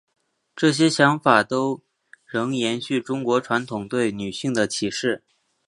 这些想法都仍延续中国传统对女性的歧视。